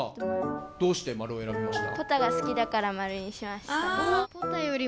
どうして○を選びました？